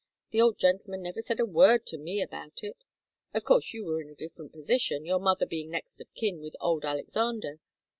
The old gentleman never said a word to me about it. Of course you were in a different position, your mother being next of kin with old Alexander.